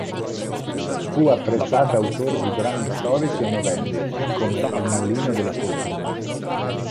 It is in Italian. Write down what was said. Fu apprezzato autore di drammi storici e novelle, come "Il mulino della fortuna".